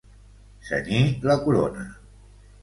Cenyir la corona.